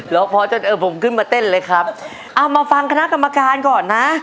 แล้วพอจะผมขึ้นมาเต้นเลยครับเอามาฟังคณะกรรมการก่อนนะ